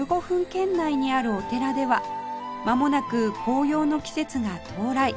圏内にあるお寺ではまもなく紅葉の季節が到来